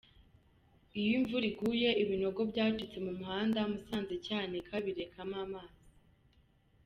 Iyo imvura iguye ibinogo byacitse mu muhanda Musanze-Cyanika birekamo amazi.